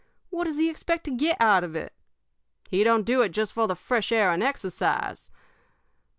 What does he expect to get out of it? He don't do it just for the fresh air and exercise.